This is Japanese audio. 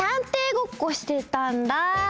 ごっこしてたんだ。